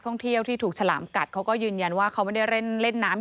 ท่องเที่ยวที่ถูกฉลามกัดเขาก็ยืนยันว่าเขาไม่ได้เล่นเล่นน้ำ